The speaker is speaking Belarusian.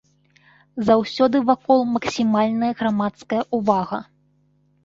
Заўсёды вакол максімальная грамадская ўвага.